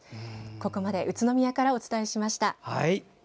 ここまで宇都宮からお伝えしました。